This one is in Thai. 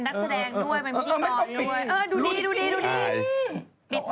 เป็นนักแสดงด้วยมันมีตอนด้วยเออไม่ต้องปิด